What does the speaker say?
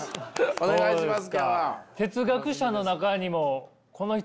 お願いします。